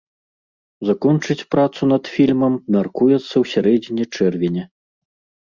Закончыць працу над фільмам мяркуецца ў сярэдзіне чэрвеня.